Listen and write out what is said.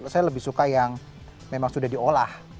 saya lebih suka yang memang sudah diolah